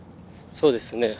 そうですね。